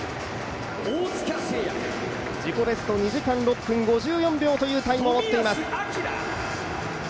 自己ベスト２時間６分５４秒というタイムを持っています。